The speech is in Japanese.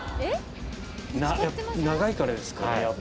長いからですか？